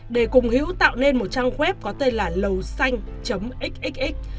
để cùng hữu tạo nên một trang web có tên là lầu xanh xxx